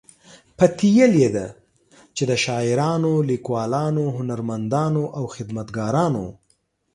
پتیلې ده چې د شاعرانو، لیکوالو، هنرمندانو او خدمتګارانو